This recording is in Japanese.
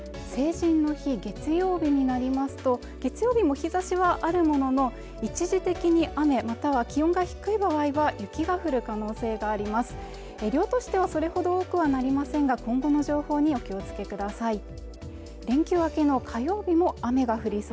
成人の日月曜日になりますと月曜日も日差しはあるものの一時的に雨または気温が低い場合は雪が降る可能性があります量としてはそれほど多くはありませんが今後の情報にお気をつけください